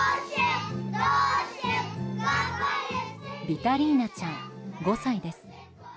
ビタリーナちゃん、５歳です。